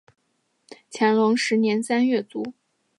乾隆十年三月卒。